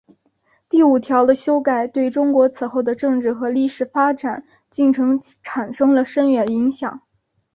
第五条的修改对中国此后的政治和历史发展进程产生了深远影响。